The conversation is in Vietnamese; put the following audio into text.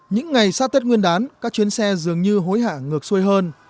những ngày sát tết nguyên đán các chuyến xe dường như hối hạ ngược xuôi hơn